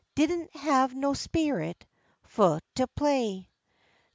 Didn't have no sperit fu' to play?